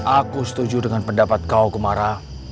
aku setuju dengan pendapat kau kemara